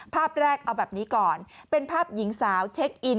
ภาพแรกเอาแบบนี้ก่อนเป็นภาพหญิงสาวเช็คอิน